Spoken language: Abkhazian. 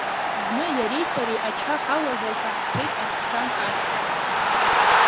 Зны иареи сареи ача ҳауазар ҳәа ҳцеит адәқьан ахь.